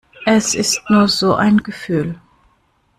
Es ist nur so ein Gefühl.